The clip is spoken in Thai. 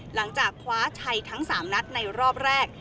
หลังจากคว้าชัยทั้ง๓นัดในรอบแรก